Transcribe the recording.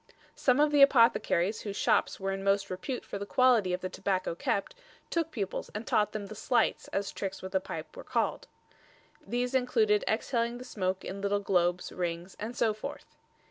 Some of the apothecaries whose shops were in most repute for the quality of the tobacco kept, took pupils and taught them the "slights," as tricks with the pipe were called. These included exhaling the smoke in little globes, rings and so forth.